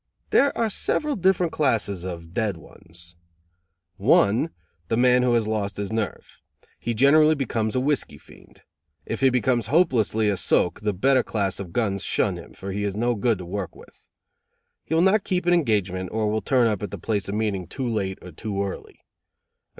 There are several different classes of "dead ones": 1. The man who has lost his nerve. He generally becomes a whiskey fiend. If he becomes hopelessly a soak the better class of guns shun him, for he is no good to work with. He will not keep an engagement, or will turn up at the place of meeting too late or too early.